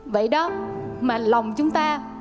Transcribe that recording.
vậy đó mà lòng chúng ta